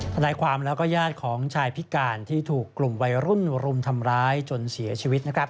ทนายความแล้วก็ญาติของชายพิการที่ถูกกลุ่มวัยรุ่นรุมทำร้ายจนเสียชีวิตนะครับ